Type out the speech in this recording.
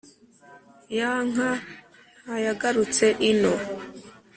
ya nka ntayagarutse ino